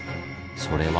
それは？